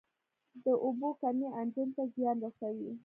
د اوبو کمی انجن ته زیان رسوي.